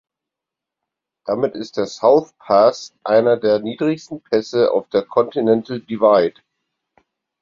Damit ist der South Pass einer der niedrigsten Pässe auf der Continental Divide.